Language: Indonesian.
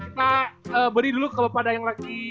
kita beri dulu kalo pada yang lagi